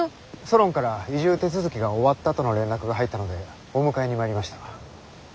ソロンから移住手続きが終わったとの連絡が入ったのでお迎えに参りました。